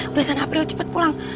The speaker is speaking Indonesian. udah sana apriah cepet pulang